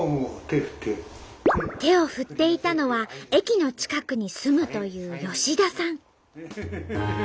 手を振っていたのは駅の近くに住むという吉田さん。